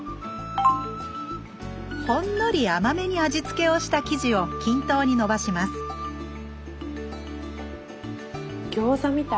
ほんのり甘めに味付けをした生地を均等にのばしますギョーザみたい。